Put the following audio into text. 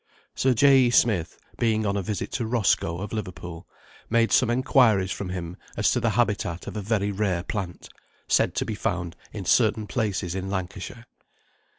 Sir J. E. Smith, being on a visit to Roscoe, of Liverpool, made some inquiries from him as to the habitat of a very rare plant, said to be found in certain places in Lancashire.